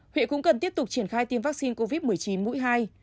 huyện cũng cần tiếp tục triển khai tiêm vaccine covid một mươi chín mũi hai